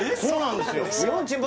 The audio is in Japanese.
そうなんですよ